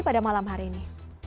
pada malam hari ini